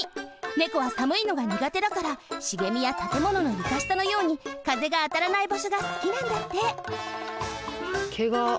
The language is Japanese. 猫はさむいのがにがてだから茂みやたてものの床下のように風があたらない場所がすきなんだってけが。